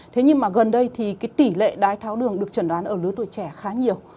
thế nhưng mà gần đây thì cái tỷ lệ đái tháo đường được chẩn đoán ở lứa tuổi trẻ khá nhiều